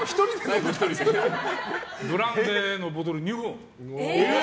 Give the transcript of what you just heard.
ブランデーのボトルを２本。